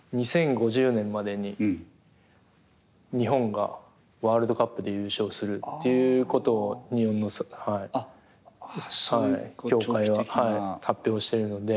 ２０５０年までに日本がワールドカップで優勝するっていうことを日本の協会は発表してるので。